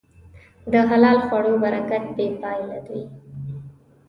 د حلال خوړو برکت بېپایله وي.